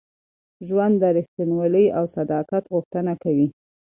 ژوند د رښتینولۍ او صداقت غوښتنه کوي.